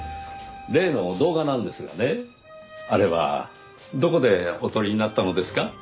例の動画なんですがねあれはどこでお撮りになったのですか？